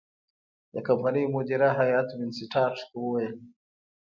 د کمپنۍ مدیره هیات وینسیټارټ ته وویل.